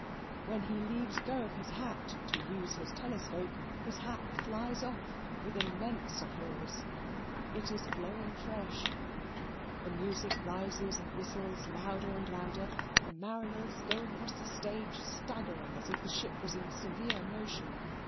When he leaves go of his hat to use his telescope, his hat flies off, with immense applause. It is blowing fresh. The music rises and whistles louder and louder; the mariners go across the stage staggering, as if the ship was in severe motion.